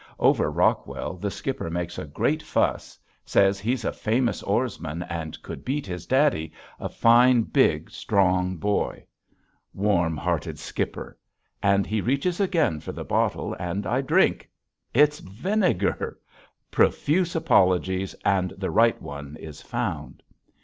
Over Rockwell the skipper makes a great fuss, says he's a famous oarsman and could beat his daddy, a fine, big, strong boy. Warm hearted skipper! and he reaches again for the bottle and I drink. It's vinegar! Profuse apologies, and the right one is found.